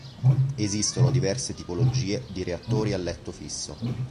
Esistono diverse tipologie di reattori a letto fisso.